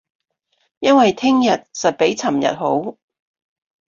因為聼日實比尋日好